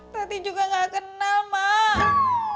tati juga nggak kenal mak